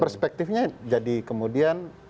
perspektifnya jadi kemudian